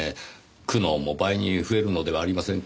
苦悩も倍に増えるのではありませんか？